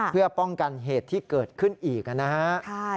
เพื่อป้องกันเหตุที่เกิดขึ้นอีกนะครับ